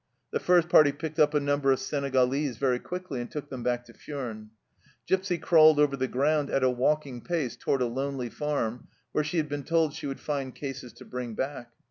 The first party picked up a number of Senegalese very quickly and took them back to Furnes. Gipsy crawled over the ground at a walking pace toward a lonely farm, where she had been told she would find cases to bring back.